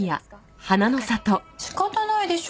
仕方ないでしょ